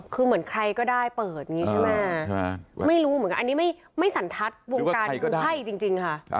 คือเหมือนใครก็ได้เปิดอย่างนี้ใช่ไหมไม่รู้เหมือนกันอันนี้ไม่สันทัศน์วงการคือไพ่จริงค่ะ